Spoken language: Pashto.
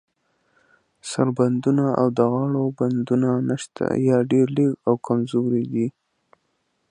سر بندونه او د غاړو بندونه نشته، یا ډیر لږ او کمزوري دي.